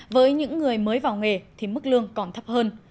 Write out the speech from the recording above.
với những người mới vào nghề thì mức lương còn thấp hơn